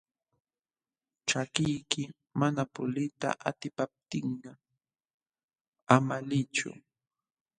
Ćhakiyki mana puliyta atipaptinqa ama liychu.